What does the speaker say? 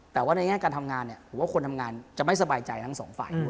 แต่ว่าในแง่การทำงานเนี่ยผมว่าคนทำงานจะไม่สบายใจทั้งสองฝ่ายด้วย